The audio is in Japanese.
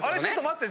待って。